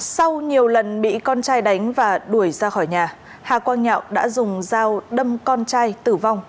sau nhiều lần bị con trai đánh và đuổi ra khỏi nhà hà quang nhạo đã dùng dao đâm con trai tử vong